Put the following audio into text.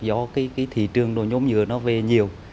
do cái thị trường đồ nhôm dừa nó về nhiều